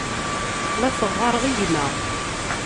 La as-ɣɣareɣ i gma.